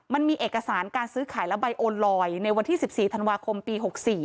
มันมีเอกสารการซื้อขายและใบโอนลอยในวันที่๑๔ธันวาคมปี๖๔